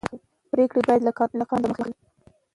پرېکړې باید د قانون له مخې وي